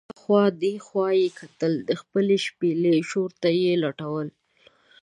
اخوا دې خوا یې کتل، د خپلې شپېلۍ شور ته یې لټوله.